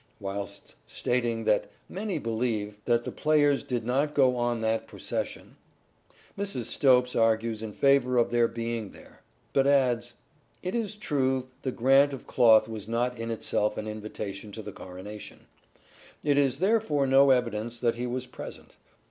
Whilst stating that "many believe ... that the players did not go on that procession," Mrs. Stopes argues in favour of their being there ; but adds : "it is true the grant of cloth was not in itself an invitation to the corona tion." It is therefore no evidence that he was present.